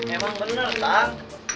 emang bener kan